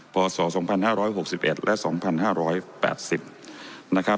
ปศ๒๕๖๑และ๒๕๘๐